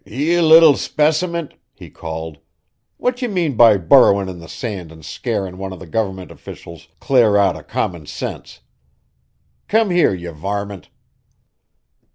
"Ye little specimint!" he called, "what ye mean by burrowin' in the sand an' scarin' one of the government officials clar out o' common sense? Come here, ye varmint!"